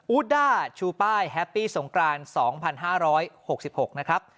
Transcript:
ูดด้าชูป้ายแฮปปี้สงกราน๒๕๖๖นะครับ